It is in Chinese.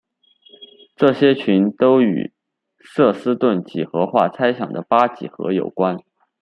这些群都与瑟斯顿几何化猜想的八几何有关。